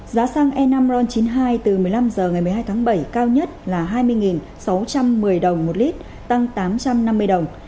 giá xăng e năm ron chín mươi hai từ một mươi năm h ngày một mươi hai tháng bảy cao nhất là hai mươi sáu trăm một mươi đồng một lít tăng tám trăm năm mươi đồng